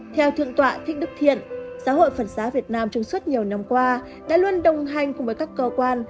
theo thượng tọa thích đức thiện giáo hội phật giáo việt nam trong suốt nhiều năm qua đã luôn đồng hành cùng với các cơ quan